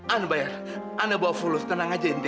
aneh bayar aneh bawa fulus tenang aja ente